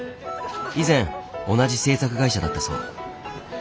以前同じ制作会社だったそう。